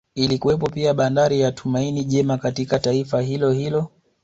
Ilikuwepo pia Bandari ya Tumaini Jema katika taifa hilo hilo